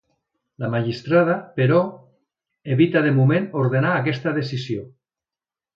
La magistrada, però, evita de moment ordenar aquesta decisió.